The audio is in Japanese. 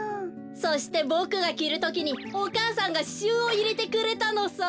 そしてボクがきるときにお母さんがししゅうをいれてくれたのさ。